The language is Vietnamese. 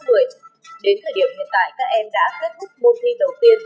đến thời điểm hiện tại các em đã kết thúc môn thi đầu tiên